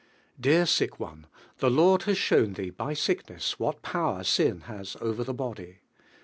Dear sick one, the Lord has shown thee by sickness what powe r sin has over the body.